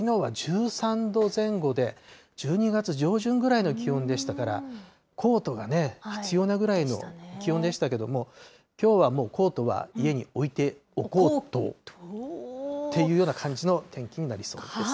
きのうは１３度前後で、１２月上旬ぐらいの気温でしたから、コートがね、必要なぐらいの気温でしたけども、きょうはもうコートは家に置いておこーとっていうような感じの天気になりそうです。